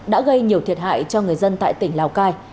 đã gây nhiều thiệt hại cho người dân tại tỉnh lào cai